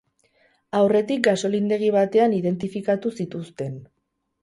Aurretik gasolindegi batean identifikatu zituzten.